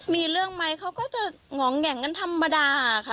มีเรื่องไหมเขาก็จะหงองแหงกันธรรมดาค่ะ